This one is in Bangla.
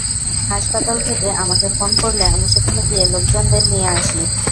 হাসপাতাল থেকে আমাকে ফোন করলে আমি সেখানে গিয়ে লোকজনদের নিয়ে আসি।